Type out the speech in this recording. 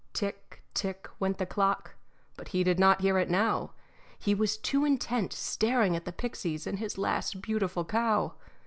Tick, tick, went the clock, but he did not hear it now. He was too intent staring at the pixies and his last beautiful cow.